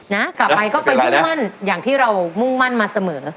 กลับไปก็ไปมุ่งมั่นอย่างที่เรามุ่งมั่นมาเสมอ